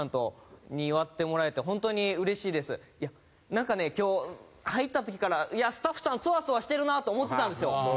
なんかね今日入った時からスタッフさんそわそわしてるなと思ってたんですよ。